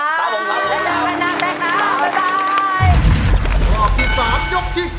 จะเจอกันหน้าแซ็คนะบ๊ายบาย